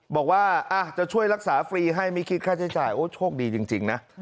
บอกว่าจะช่วยรักษาฟรีให้ไม่คิดค่าใช้จ่ายโอ้โชคดีจริงนะ